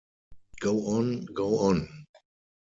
Go on, go on!